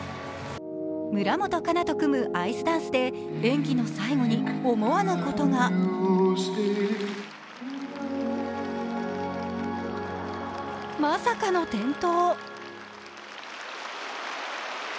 村元哉中と組むアイスダンスで演技の最後に思わぬことがまさかの転倒。